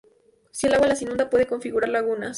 Si el agua las inunda puede configurar lagunas.